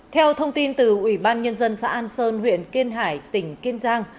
theo thông tin từ ủy ban nhân dân xã an sơn huyện kiên hải tỉnh kiên giang